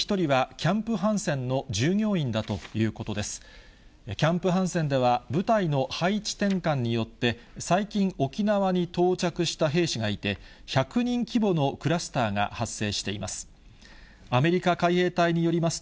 キャンプ・ハンセンでは、部隊の配置転換によって、最近、沖縄に到着した兵士がいて、１００人規模のクラスターが発生しています。